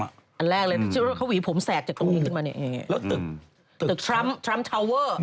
อันแรกเลยเขาหวีผมแสกจากตรงนี้ขึ้นมาเนี่ย